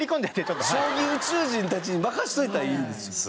将棋宇宙人たちに任しといたらいいんですよ。